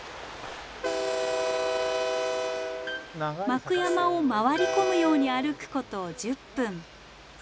幕山を回り込むように歩くこと１０分。